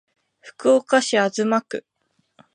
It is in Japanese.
福岡市東区